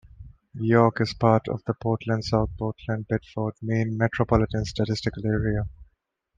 York is part of the Portland-South Portland-Biddeford, Maine metropolitan statistical area.